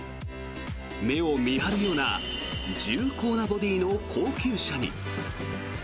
目を見張るような重厚なボディーの高級車に。